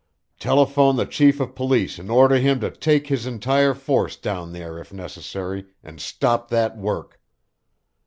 "Telephone the chief of police and order him to take his entire force down there, if necessary, and stop that work.